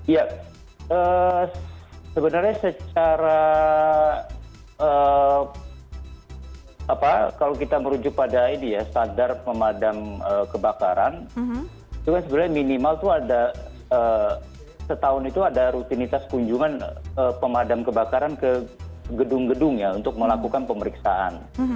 ya sebenarnya secara kalau kita merujuk pada ini ya standar pemadam kebakaran itu kan sebenarnya minimal itu ada setahun itu ada rutinitas kunjungan pemadam kebakaran ke gedung gedung ya untuk melakukan pemeriksaan